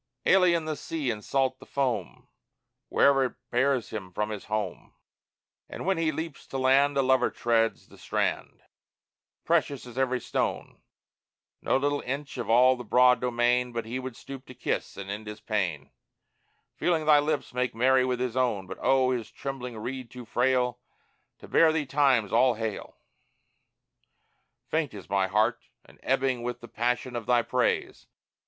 Alien the sea and salt the foam Where'er it bears him from his home; And when he leaps to land, A lover treads the strand; Precious is every stone; No little inch of all the broad domain But he would stoop to kiss, and end his pain, Feeling thy lips make merry with his own; But oh, his trembling reed too frail To bear thee Time's All Hail! Faint is my heart, and ebbing with the passion of thy praise!